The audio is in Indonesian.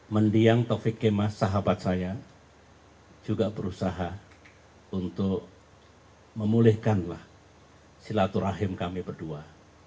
mendiang taufik kemas sahabat saya juga berusaha untuk memulihkanlah silaturahim kami berdua